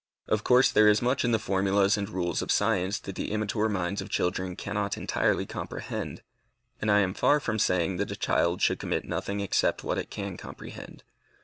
Of course there is much in the formulas and rules of science that the immature minds of children cannot entirely comprehend, and I am far from saying that a child should commit nothing except what it can comprehend.